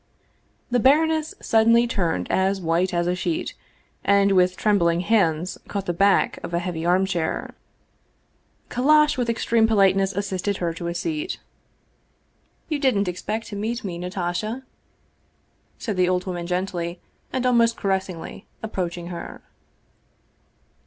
The baroness suddenly turned as white as a sheet, and with trembling hands caught the back of a heavy arm chair. Kallash with extreme politeness assisted her to a seat. 222 Vsevolod Vladimir ovitch Krestovski " You didn't expect to meet me, Natasha? " said the old woman gently and almost caressingly, approaching her.